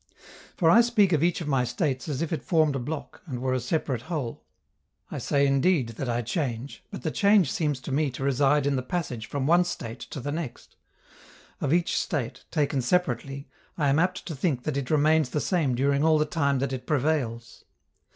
For I speak of each of my states as if it formed a block and were a separate whole. I say indeed that I change, but the change seems to me to reside in the passage from one state to the next: of each state, taken separately, I am apt to think that it remains the same during all the time that it prevails.